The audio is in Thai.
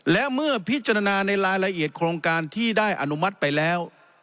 และเมื่อพิจารณาในรายละเอียดโครงการที่ได้อนุมัติไปแล้ว